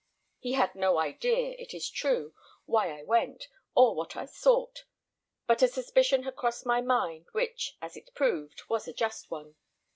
He had no idea, it is true, why I went, or what I sought; but a suspicion had crossed my mind, which, as it proved, was a just one.